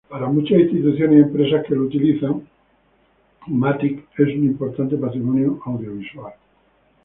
Para muchas instituciones y empresas que lo utilizan, U-matic es un importante patrimonio audiovisual.